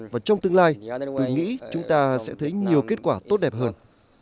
và trong tương lai tôi nghĩ chúng ta sẽ thấy nhiều kết quả tốt đẹp hơn